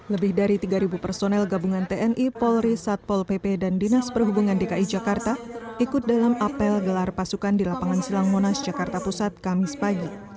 lebih dari tiga personel gabungan tni polri satpol pp dan dinas perhubungan dki jakarta ikut dalam apel gelar pasukan di lapangan silang monas jakarta pusat kamis pagi